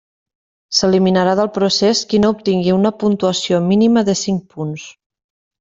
S'eliminarà del procés qui no obtingui una puntuació mínima de cinc punts.